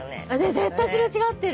絶対擦れ違ってる。